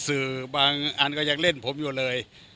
สื่อบางอันก็ยังเล่นผมอยู่เลย